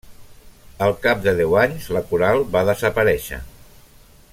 Al cap de deu anys, la coral va desaparèixer.